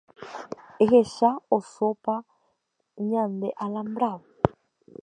Ehecha osópa ñande alambrado.